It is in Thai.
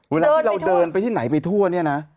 เวลาที่เราเดินไปที่ไหนไปทั่วเนี่ยนะ